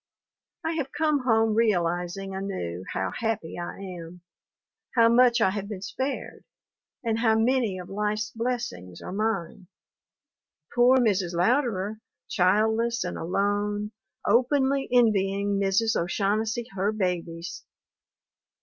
I have come home realizing anew how happy I am, how much I have been spared, and how many of life's blessings are mine. Poor Mrs. Louderer, childless and alone, openly envying Mrs. O'Shaughnessy her babies!